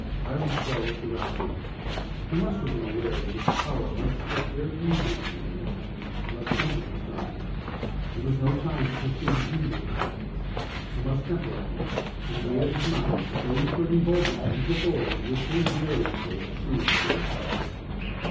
Hiram Shell looked around him. He must have been aware that his power might slip very easily from him now, unless something was done. It was no time to pursue his usual tactics. He must temporize, but he made up his mind that those who had revolted from his authority would pay dearly for it sooner or later.